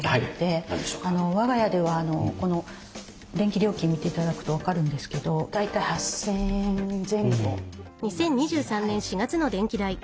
我が家ではこの電気料金見て頂くと分かるんですけど大体８，０００円前後になります。